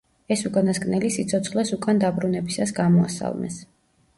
ეს უკანასკნელი სიცოცხლეს უკან დაბრუნებისას გამოასალმეს.